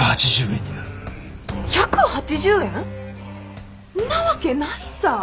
１８０円？なわけないさぁ！